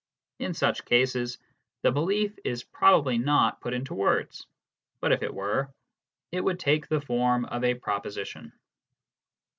In such cases, the belief is probably not put into words, but if it were, it would take the form of a proposition.